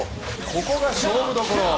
ここが勝負どころ。